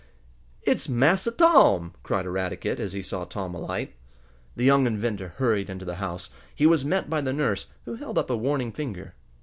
"It's Massa Tom!" cried Eradicate, as he saw Tom alight. The young inventor hurried into the house. He was met by the nurse, who held up a warning finger.